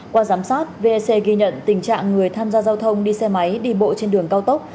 qua giám sát vec ghi nhận tình trạng người tham gia giao thông đi xe máy đi bộ trên đường cao tốc